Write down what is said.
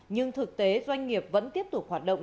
nhưng thực tế doanh nghiệp vẫn tiếp tục hoạt động